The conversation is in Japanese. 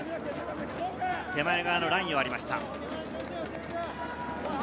手前側のラインを割りました。